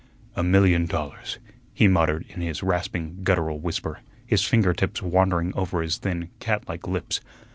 "A million dollars," he muttered in his rasping, guttural whisper, his finger tips wandering over his thin, cat like lips.